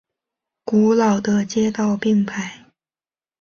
古老的街道并排。